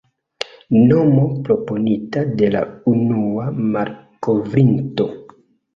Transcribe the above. Nomo proponita de la unua malkovrinto.